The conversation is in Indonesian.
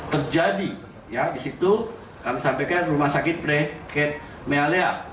terjadi ya disitu kami sampaikan rumah sakit preket mealea